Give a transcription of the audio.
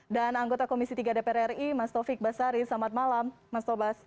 dan anggota komisi tiga dprri mas taufik basari selamat malam mas taufik basari